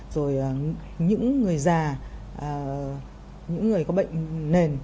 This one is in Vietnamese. rồi những người già những người có bệnh nền